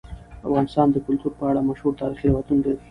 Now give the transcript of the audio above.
افغانستان د کلتور په اړه مشهور تاریخی روایتونه لري.